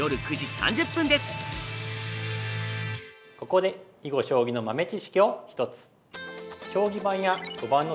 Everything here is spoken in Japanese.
ここで囲碁将棋の豆知識を１つ。